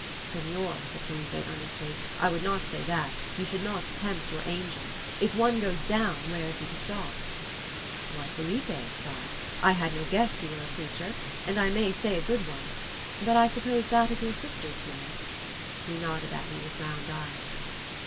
"Senor," said Felipe earnestly, "I would not say that. You should not tempt your angel. If one goes down, where is he to stop?" "Why, Felipe," said I, "I had no guess you were a preacher, and I may say a good one; but I suppose that is your sister's doing?" He nodded at me with round eyes.